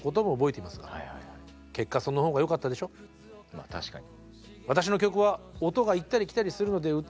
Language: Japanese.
まあ確かに。